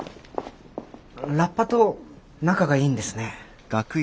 ラッパと仲がいいんですね。